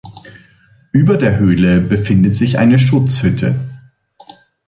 Über der Höhle befindet sich eine Schutzhütte.